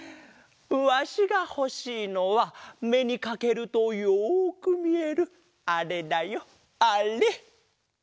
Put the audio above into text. わしがほしいのはめにかけるとよくみえるあれだよあれ！